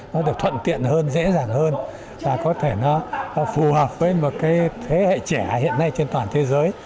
nó được thuận tiện hơn dễ dàng hơn và có thể nó phù hợp với một cái thế hệ trẻ hiện nay trên toàn thế giới